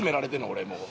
俺もう。